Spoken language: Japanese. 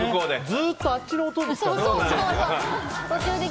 ずっとあっちの音ですから。